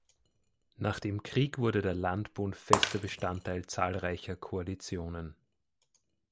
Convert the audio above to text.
Nach dem Krieg wurde der Landbund fester Bestandteil zahlreicher Koalitionen.